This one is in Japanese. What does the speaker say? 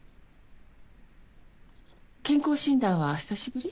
健康診断は久しぶり？